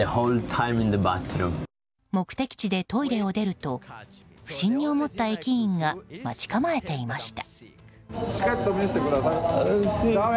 目的地でトイレを出ると不審に思った駅員が待ち構えていました。